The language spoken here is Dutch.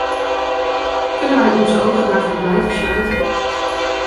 Kunnen wij onze ogen daarvoor blijven sluiten?